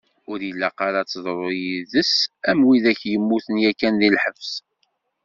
Ur ilaq ara ad teḍru yid-s am widak yemmuten yakan di lḥebs.